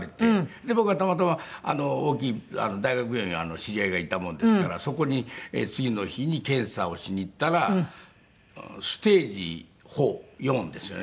で僕がたまたま大きい大学病院知り合いがいたもんですからそこに次の日に検査をしに行ったらステージⅣ４ですよね。